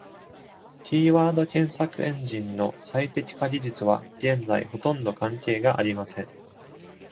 キーワード検索エンジンの最適化技術は、現在、ほとんど関係がありません。